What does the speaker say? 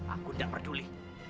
aku tidak peduli